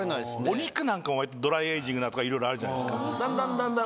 お肉なんかも割とドライエイジングとかいろいろあるじゃないですか。